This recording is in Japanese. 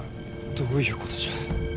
どういうことじゃ？